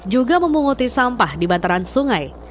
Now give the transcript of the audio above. juga memunguti sampah di bantaran sungai